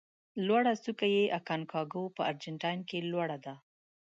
لوړه څوکه یې اکانکاګو په ارجنتاین کې لوړه ده.